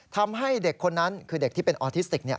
ทำให้เด็กคนนั้นคือเด็กที่เป็นออทิสติก